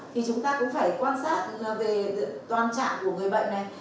thì chúng ta cũng phải quan sát về toàn trạng của người bệnh này